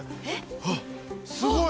あっすごい。